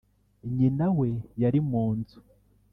nyina, we yari mu nzu